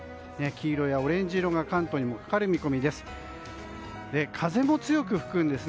黄色やオレンジ色が関東にもかかる見込みです。